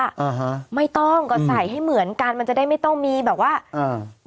อ่าฮะไม่ต้องก็ใส่ให้เหมือนกันมันจะได้ไม่ต้องมีแบบว่าอ่า